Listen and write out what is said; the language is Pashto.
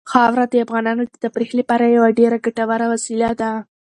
خاوره د افغانانو د تفریح لپاره یوه ډېره ګټوره وسیله ده.